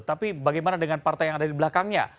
tapi bagaimana dengan partai yang ada di belakangnya